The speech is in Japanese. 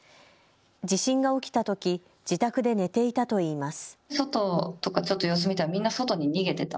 地震が起きたとき自宅で寝ていたといいます。